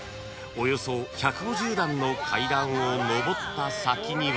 およそ１５０段の階段を上った先には］